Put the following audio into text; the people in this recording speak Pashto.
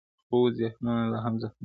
• خو ذهنونه لا هم زخمي دي..